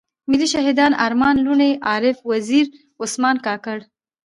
ملي شهيدان ارمان لوڼی، عارف وزير، عثمان کاکړ.